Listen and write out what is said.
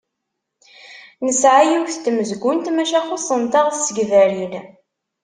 Nesɛa yiwet n tmezgunt, maca xuṣṣent-aɣ tsegbarin.